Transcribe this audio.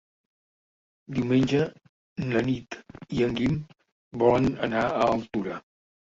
Diumenge na Nit i en Guim volen anar a Altura.